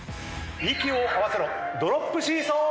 息を合わせろドロップシーソー！